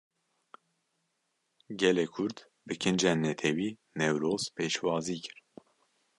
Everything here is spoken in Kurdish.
Gelê Kurd, bi kincên Netewî Newroz pêşwazî kir